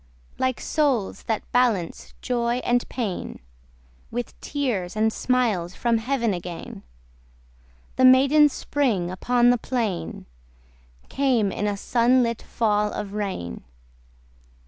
Like souls that balance joy and pain, With tears and smiles from heaven again The maiden Spring upon the plain Came in a sun lit fall of rain.